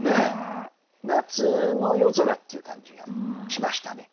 夏の夜空っていう感じがしましたね。